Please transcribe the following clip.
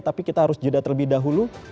tapi kita harus jeda terlebih dahulu